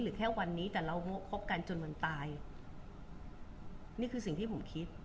แค่วันนี้แต่เราคบกันจนมันตายนี่คือสิ่งที่ผมคิด